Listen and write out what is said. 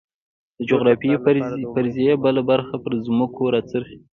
د جغرافیوي فرضیې بله برخه پر ځمکو راڅرخي.